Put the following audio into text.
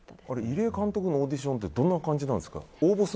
入江監督のオーディションってどんな感じなんですか？